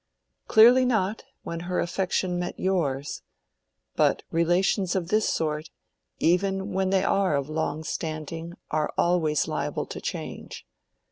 "Clearly not, when her affection met yours. But relations of this sort, even when they are of long standing, are always liable to change.